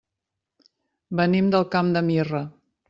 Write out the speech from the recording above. Venim del Camp de Mirra.